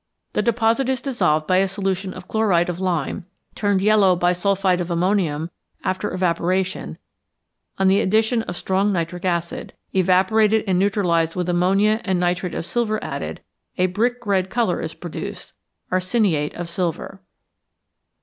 The deposit is dissolved by a solution of chloride of lime, turned yellow by sulphide of ammonium after evaporation; on the addition of strong nitric acid, evaporated and neutralized with ammonia and nitrate of silver added, a brick red colour is produced arseniate of silver.